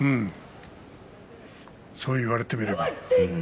そう言われてみればね。